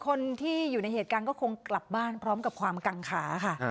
คนที่อยู่ในเหตุการณ์ก็คงกลับบ้านพร้อมกับความกังขาค่ะ